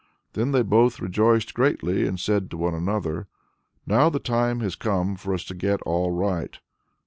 Then they both rejoiced greatly, and said to one another, "Now the time has come for us to get all right!